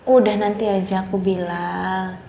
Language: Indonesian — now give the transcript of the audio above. udah nanti aja aku bilang